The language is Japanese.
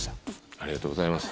ありがとうございます。